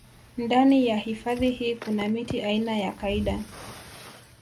Ndani ya hifadhi hii kuna miti aina ya kaida